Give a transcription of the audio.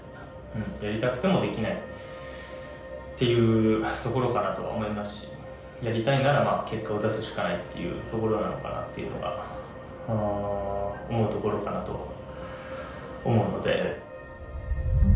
やりたくてもできないっていうところかなとは思いますしやりたいなら結果を出すしかないっていうところなのかなっていうのが思うところかなとは思うので。